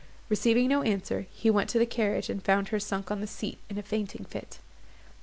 Receiving no answer, he went to the carriage, and found her sunk on the seat in a fainting fit.